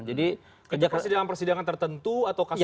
jadi persidangan persidangan tertentu atau kasus kasus apa